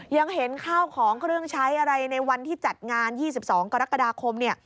ยังเห็นข้าวของเครื่องใช้อะไรในวันที่จัดงาน๒๒กรกฎาคมเนี่ย